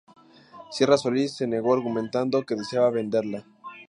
Sierra Solís se negó argumentando que deseaba venderla.